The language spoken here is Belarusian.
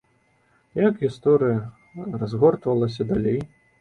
Як гісторыя разгортвалася далей?